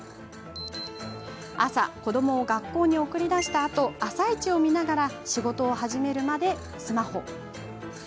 朝、子どもを学校に送り出したあと「あさイチ」を見ながら仕事を始めるまでスマホ。